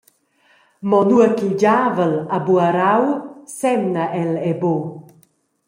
Mo nua ch’il giavel ha buc arau, semna el era buc.